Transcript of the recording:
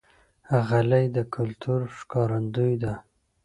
غلۍ د کلتور ښکارندوی ده.